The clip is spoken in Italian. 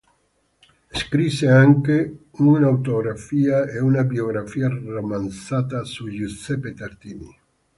Scrisse anche un’autobiografia e una biografia romanzata su Giuseppe Tartini.